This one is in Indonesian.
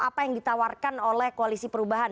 apa yang ditawarkan oleh koalisi perubahan